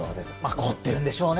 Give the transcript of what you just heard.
凝ってるんでしょうね。